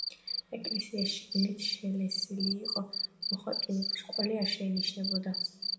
ეკლესია შიგნით შელესილი იყო, მოხატულობის კვალი არ შეინიშნება.